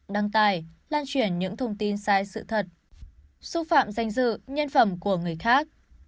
đăng tải lan truyền những thông tin sai sự thật xúc phạm danh dự nhân phẩm của người khác